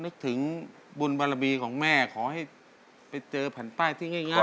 นึกถึงบุญบารมีของแม่ขอให้ไปเจอแผ่นป้ายที่ง่าย